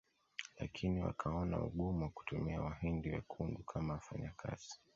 Lakini wakaona ugumu wa kutumia Wahindi wekundu kama wafanyakazi